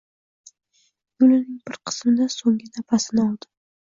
Yo‘lining bir qismida so‘nggi nafasini oldi